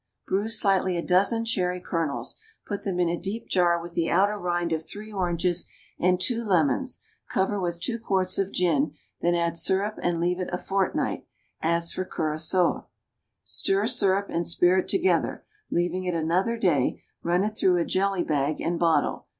Bruise slightly a dozen cherry kernels, put them in a deep jar with the outer rind of three oranges and two lemons, cover with two quarts of gin, then add syrup and leave it a fortnight, as for curaçoa. Stir syrup and spirit together, leave it another day, run it through a jelly bag, and bottle.